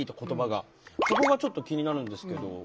そこがちょっと気になるんですけど。